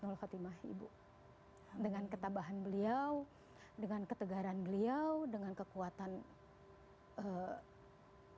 itu yang bikin saya masya allah kita tidak pernah tahu allah punya cara memanggil kita untuk pulang di waktu yang terakhir